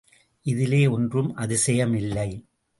இதிலே ஒன்றும் அதிசயமில்லை.